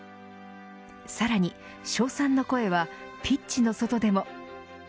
さらに、称賛の声はピッチの外でも。